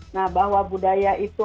nah bahwa budaya itu